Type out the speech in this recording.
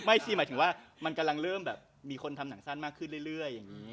ที่หมายถึงว่ามันกำลังเริ่มแบบมีคนทำหนังสั้นมากขึ้นเรื่อยอย่างนี้